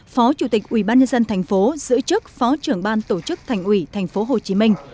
phó chủ tịch ubnd tp giữ chức phó trưởng ban tổ chức thành ủy tp hcm